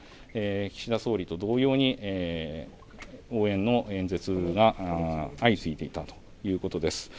岸田総理と同様に応援の演説が相次いでいたということです。